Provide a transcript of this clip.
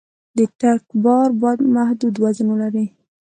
د ټرک بار باید محدود وزن ولري.